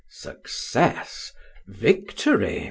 "Success! Victory!